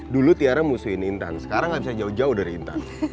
dulu tiara musuhin hintan sekarang gak bisa jauh jauh dari hintan